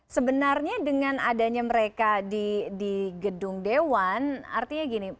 sebenarnya dengan adanya mereka di gedung dewan artinya gini